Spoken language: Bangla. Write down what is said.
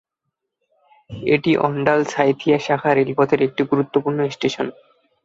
এটি অণ্ডাল-সাঁইথিয়া শাখা রেলপথের একটি গুরুত্বপূর্ণ স্টেশন।